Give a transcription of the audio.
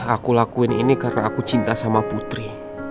aku lakuin ini karena aku cinta sama putri